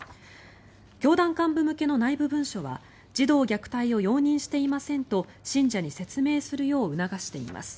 教団幹部向けの内部文書は児童虐待を容認していませんと信者に説明するよう促しています。